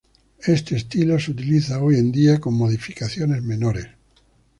Este estilo se utiliza hoy en día con modificaciones menores.